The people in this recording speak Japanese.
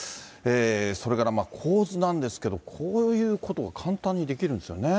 それから構図なんですけど、こういうことを簡単にできるんですよね。